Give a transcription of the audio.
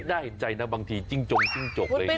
น่าเห็นใจนะบางทีจิ้งจงจิ้งจกอะไรอย่างนี้